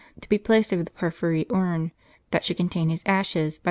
to be placed over the por phyry urn that should contain his ashes, by Pope Honorius I.